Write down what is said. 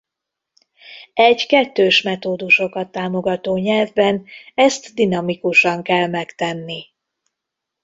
Egy kettős metódusokat támogató nyelvben ezt dinamikusan kell megtenni.